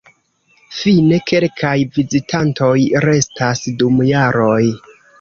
Fine, kelkaj "vizitantoj" restas dum jaroj.